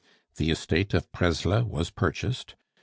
The estate of Presles was purchased.